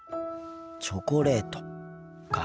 チョコレートか。